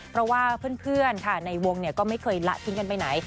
เพราะว่าเพื่อนในวงก็ไม่เคยละทิ้งกันไปไหน